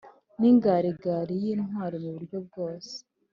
n’ingarigari y’intwari muburyo bwose